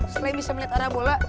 selain bisa melihat arah bola